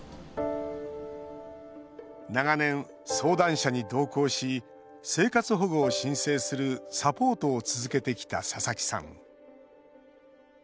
長年、相談者に同行し生活保護を申請するサポートを続けてきた佐々木さん。